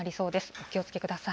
お気をつけください。